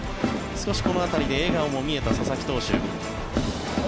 少しこの辺りで笑顔も見えた佐々木投手。